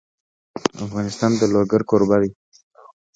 افغانستان د لوگر کوربه دی.